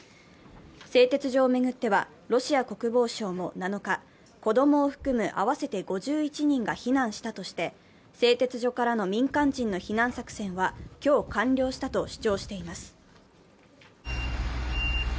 製鉄所を巡っては、ロシア国防省も７日、子供を含む合わせて５１人が避難したとして製鉄所からの民間人の避難作戦は今日完了したと主張しています。